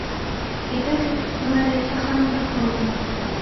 Әйҙәгеҙ, бына Рәйсә ханымдың һаулығына.